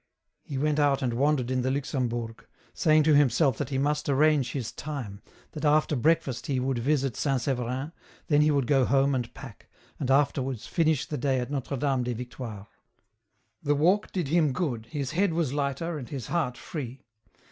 He went out and wandered in the Luxembourg, saying to himself that he must arrange his time, that after breakfast he would visit St. Severin, then he would go home and pack, and afterwards finish the day at Notre Dame des Victoires. EN ROUTE. 145 The walk did him good, his head was hghter, and his heart free.